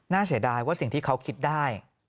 เสียดายว่าสิ่งที่เขาคิดได้